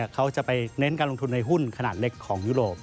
เขาจะไปเน้นการลงทุนในหุ้นขนาดเล็กของยุโรป